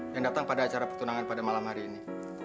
yang datang pada acara pertunangan pada malam hari ini